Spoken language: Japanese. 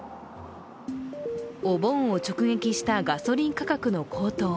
お盆を直撃したガソリン価格の高騰。